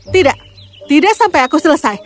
tidak tidak sampai aku selesai